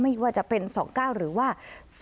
ไม่ว่าจะเป็น๒๙หรือว่า